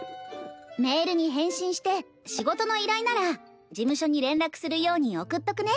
メールに返信して仕事の依頼なら事務所に連絡するように送っとくね。